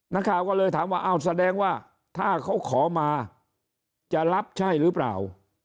นักข่าวก็เลยถามว่าอ้าวแสดงว่าถ้าเขาขอมาจะรับใช่หรือเปล่า